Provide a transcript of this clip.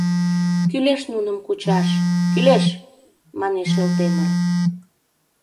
— Кӱлеш нуным кучаш, кӱлеш! — манеш Элтемыр.